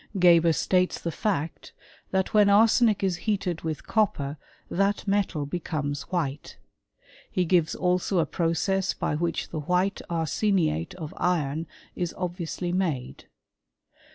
Geber states the fact, that when arsenic is heated with copper that metal becomes white.f He gives also a process by which the white arseniate of iron is obviously made.